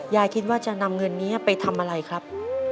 ยายคิดว่าจะนำเงินนี้ไปทำอะไรครับ